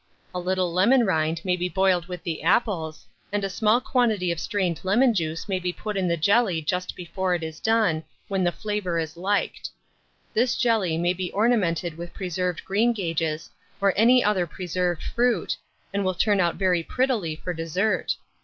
A little lemon rind may be boiled with the apples, and a small quantity of strained lemon juice may be put in the jelly just before it is done, when the flavour is liked. This jelly may be ornamented with preserved greengages, or any other preserved fruit, and will turn out very prettily for dessert.